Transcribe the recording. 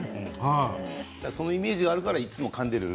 そのイメージがあるからいつもかんでいる。